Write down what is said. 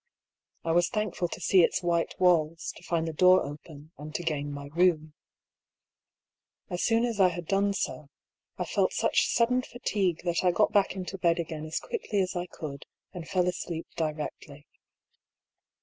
I was thankful to see its white walls, to find the door open, and to gain my room. As soon as I had done so, I felt such sudden fatigue that I got back into bed again as quickly as I could, and fell asleep directly.